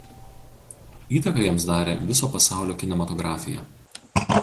Įtaką jiems darė viso pasaulio kinematografija.